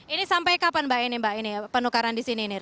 ini sampai kapan mbak ini mbak ini penukaran di sini